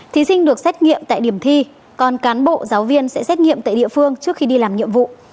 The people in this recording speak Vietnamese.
thí sinh được xét nghiệm tại điểm thi còn cán bộ giáo viên sẽ xét nghiệm tại địa phương trước khi đi làm nhiệm vụ